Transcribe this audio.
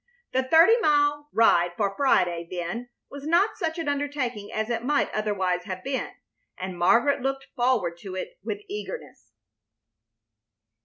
The thirty mile ride for Friday, then, was not such an undertaking as it might otherwise have been, and Margaret looked forward to it with eagerness.